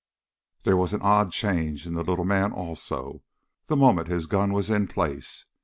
There was an odd change in the little man also, the moment his gun was in place.